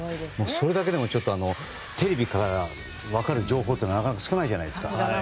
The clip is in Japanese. それだけでもテレビから分かる情報ってなかなか少ないじゃないですか。